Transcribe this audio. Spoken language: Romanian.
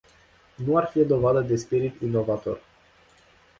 Nu ar fi o dovadă de spirit inovator.